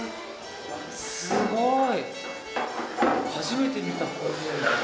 すごい！